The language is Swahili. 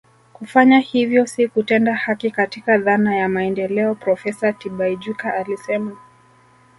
Kufanya hivyo si kutenda haki katika dhana ya maendeleo Profesa Tibaijuka alisema